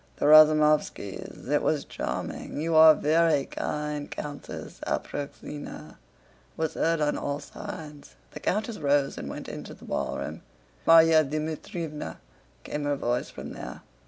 "The Razumóvskis... It was charming... You are very kind... Countess Apráksina..." was heard on all sides. The countess rose and went into the ballroom. "Márya Dmítrievna?" came her voice from there.